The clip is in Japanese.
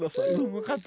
わかった。